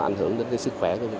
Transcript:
ảnh hưởng đến sức khỏe của cây trồng